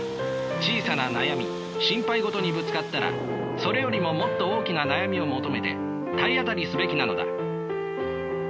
小さな悩み心配事にぶつかったらそれよりももっと大きな悩みを求めて体当たりすべきなのだ。